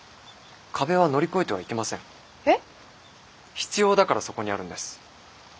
必要だからそこにあるんです。